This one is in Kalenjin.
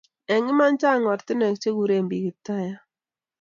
Eng' iman chang' ortinwek che kuren biik Kiptayat